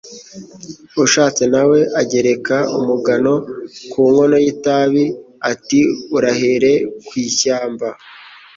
Ushatse nawe agereka umugano ku nkono y’itabi, ati Urahere ku ishyamba